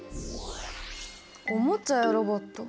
おもちゃやロボット。